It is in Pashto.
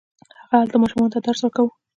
هغه هلته ماشومانو ته درس ورکاوه.